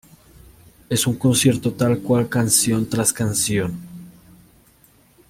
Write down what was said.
Es un concierto tal cual, canción tras canción.